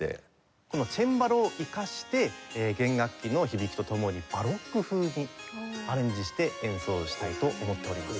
このチェンバロを生かして弦楽器の響きと共にバロック風にアレンジして演奏したいと思っております。